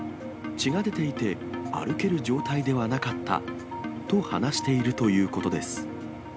血が出ていて、歩ける状態ではなかったと話しているということです。